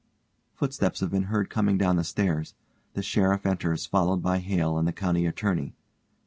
(Footsteps have been heard coming down the stairs. The SHERIFF enters followed by HALE and the COUNTY ATTORNEY.)